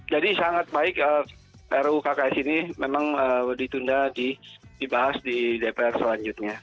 jadi sangat baik ruu kks ini memang ditunda dibahas di dpr selanjutnya